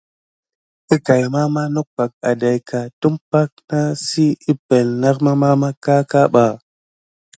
Əkay mama nok bak adaika tumpay ke naku nipenle na umpay ba.